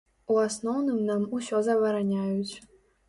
У асноўным нам усё забараняюць.